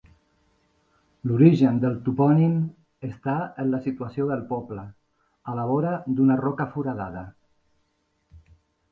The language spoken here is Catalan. L'origen del topònim està en la situació del poble, a la vora d'una roca foradada.